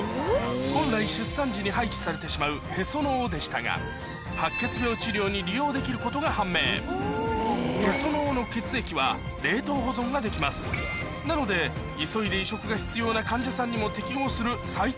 本来出産時に廃棄されてしまうへその緒でしたが白血病治療に利用できることが判明なので急いで移植が必要な患者さんにも適合するさい